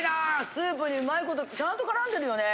スープにうまいことちゃんと絡んでるよね。